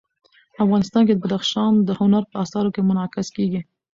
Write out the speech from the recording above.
افغانستان کې بدخشان د هنر په اثار کې منعکس کېږي.